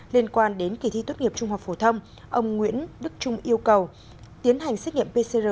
liên quan đến kỳ thi tốt nghiệp trung học phổ thông ông nguyễn đức trung yêu cầu tiến hành xét nghiệm pcr